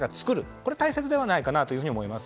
これが大切ではないかなと思います。